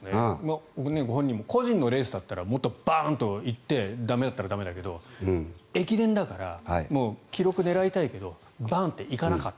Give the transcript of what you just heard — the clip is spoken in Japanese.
ご本人も個人のレースだったらもっとバーンと行って駄目だったら駄目だけど駅伝だから記録を狙いたいけどバーンって行かなかった。